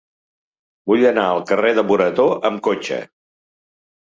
Vull anar al carrer de Morató amb cotxe.